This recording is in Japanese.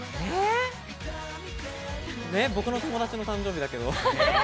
僕の友達の誕生日だけれど。